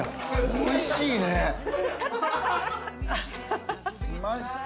おいしいね。来ました。